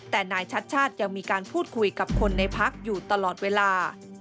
แต่นายชัดชาติยังมีการพูดคุยกับคนในพักอยู่ตลอดเวลา